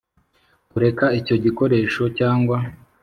Kureka icyo gikoresho cyangwa